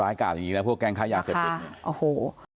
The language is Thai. ร้ายการจริงจริงแล้วพวกแกงค้ายาเสพติดค่ะโอ้โห